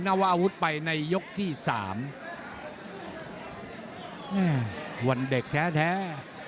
วาอาวุธไปในยกที่สามอืมวันเด็กแท้แท้